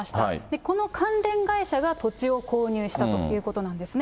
この関連会社が土地を購入したということなんですね。